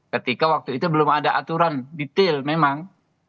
ketika waktu itu belum ada aturan detail memang